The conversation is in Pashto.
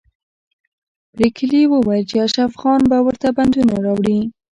پريګلې وویل چې اشرف خان به ورته بندونه راوړي